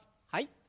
はい。